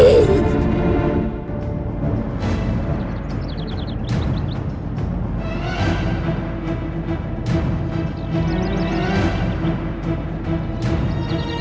jadi kamu seorang putri